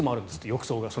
浴槽が。